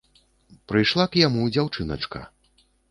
Прыйшла к яму дзяўчыначка!